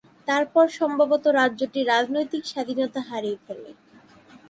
তারপর সম্ভবত রাজ্যটি রাজনৈতিক স্বাধীনতা হারিয়ে ফেলে।